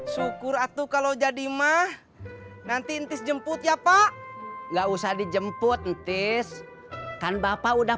shukur atuh kalau jadimah nanti enough jemput ya pak nggak usah dijemput peace kan bapak udah